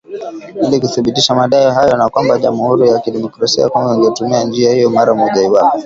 ili kuthibitisha madai hayo na kwamba jamuhuri ya kidemokrasia ya Kongo ingetumia njia hiyo mara moja iwapo